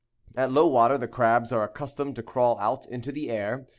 At low water the crabs are accustomed to crawl out into the air.